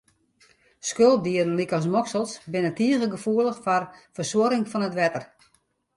Skulpdieren lykas moksels, binne tige gefoelich foar fersuorring fan it wetter.